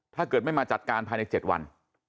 ถ้าเกิดไม่มาจัดการภายใน๗วัน